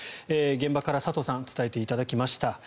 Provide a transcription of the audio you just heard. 現場から佐藤さんに伝えていただきました。